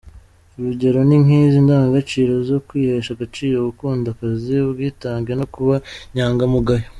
Urugero ni nk’izi ndangagaciro zo kwihesha agaciro, gukunda akazi, ubwitange no kuba inyangamugayo.